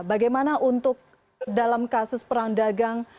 bagaimana untuk dalam kasus perang dagang